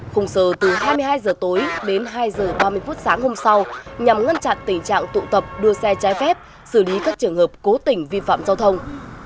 khung giờ từ hai mươi hai h tối đến hai h ba mươi phút sáng hôm sau nhằm ngăn chặn tình trạng tụ tập đua xe trái phép xử lý các trường hợp cố tình vi phạm giao thông